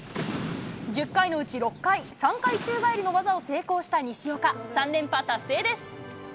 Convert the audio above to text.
１０回のうち６回、３回宙返りの技を成功した西岡。